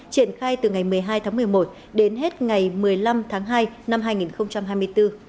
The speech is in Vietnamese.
triển khai từ ngày một mươi hai tháng một mươi một đến hết ngày một mươi năm tháng hai năm hai nghìn hai mươi bốn